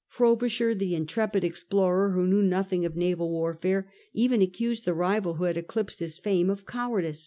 Frobisher, the intrepid explorer, who knew nothing of naval warfare, even accused the rival who had eclipsed his fame of cowardice.